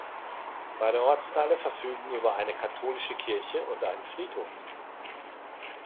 Beide Ortsteile verfügen über eine katholische Kirche und einen Friedhof.